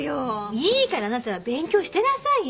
いいからあなたは勉強してなさい。